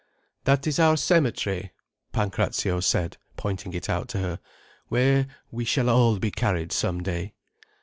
"That is our cemetery," Pancrazio said, pointing it out to her, "where we shall all be carried some day."